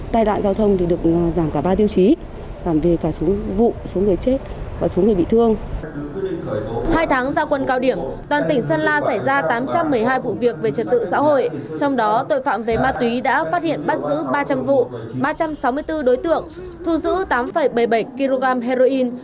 trong đó tội phạm về ma túy đã phát hiện bắt giữ ba trăm linh vụ ba trăm sáu mươi bốn đối tượng thu giữ tám bảy mươi bảy kg heroin